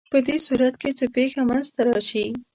په دې صورت کې څه پېښه منځ ته راشي؟